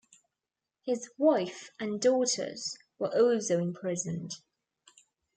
His wife and daughters were also imprisoned.